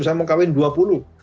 saya mau kawin dua puluh